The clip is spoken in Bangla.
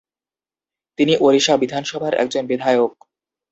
তিনি ওড়িশা বিধানসভার একজন বিধায়ক।